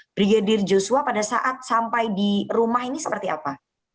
brigadir joshua pada saat sampai di rumah ini seperti apa